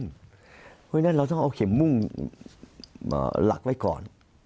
เพราะฉะนั้นเราต้องเอาเข็มมุ่งหลักไว้ก่อน